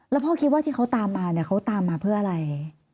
แล้วพ่อคิดว่าที่เขาตามมาเนี่ยเขาตามมาเพื่ออะไร